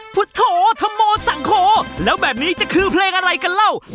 พุทธโถธโมสังโขแล้วแบบนี้จะคือเพลงอะไรกันเล่า